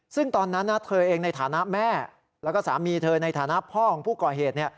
ซึ่งตอนนั้นเธอเองในฐานะแม่แล้วก็สามีเธอในฐานะพ่อของผู้ก่อเหตุ